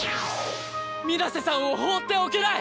水瀬さんを放っておけない。